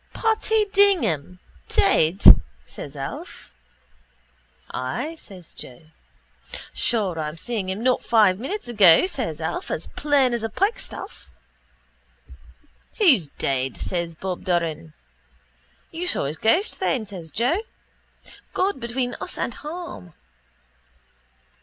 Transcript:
—Paddy Dignam dead! says Alf. —Ay, says Joe. —Sure I'm after seeing him not five minutes ago, says Alf, as plain as a pikestaff. —Who's dead? says Bob Doran. —You saw his ghost then, says Joe, God between us and harm.